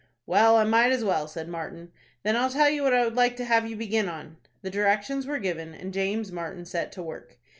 "Well, I might as well," said Martin. "Then I'll tell you what I would like to have you begin on." The directions were given, and James Martin set to work.